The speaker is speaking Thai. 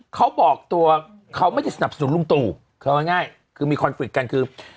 เขาบอกตัวเขาไม่ได้สนับสนุนลุงตู่เขาเอาง่ายคือมีคอนฟริตกันคือ